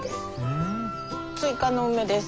追加の梅です。